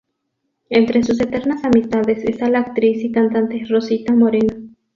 Entre sus eternas amistades esta la actriz y cantante Rosita Moreno.